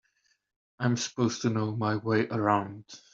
I'm supposed to know my way around.